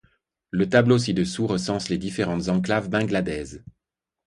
Le tableau ci-dessous recense les différentes enclaves bangladaises.